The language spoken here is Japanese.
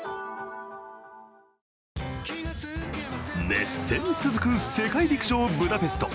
熱戦続く世界陸上ブダペスト。